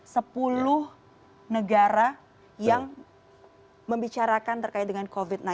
sepuluh negara yang membicarakan terkait dengan covid sembilan belas